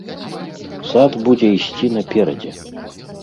Сад будзе ісці наперадзе!